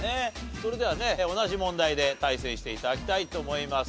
それではね同じ問題で対戦して頂きたいと思います。